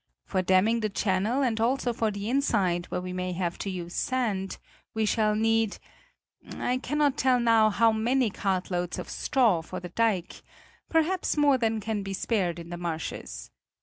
For damming the channel and also for the inside, where we may have to use sand, we shall need I cannot tell now how many cartloads of straw for the dike, perhaps more than can be spared in the marshes.